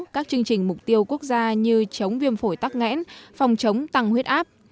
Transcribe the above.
các chương trình mục tiêu quốc gia như chống viêm phổi tắc nghẽn phòng chống tăng huyết áp